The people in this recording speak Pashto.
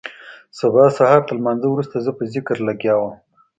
سبا سهارتر لمانځه وروسته زه په ذکر لگيا وم.